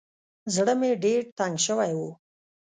زړه مې ډېر تنګ سوى و.